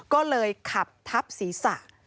ก็เลยขับทับศีรษะ